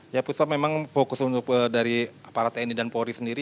ya puspa memang fokus dari aparat tni dan polri sendiri